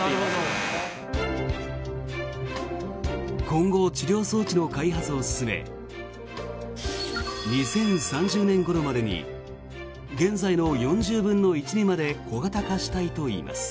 今後、治療装置の開発を進め２０３０年ごろまでに現在の４０分の１にまで小型化したいといいます。